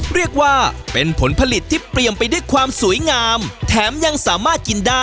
เรียกว่าเป็นผลผลิตที่เปรียมไปด้วยความสวยงามแถมยังสามารถกินได้